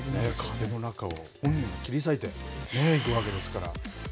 風の中を切り裂いていくわけですから。